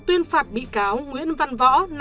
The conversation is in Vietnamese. tuyên phạt bị cáo nguyễn văn võ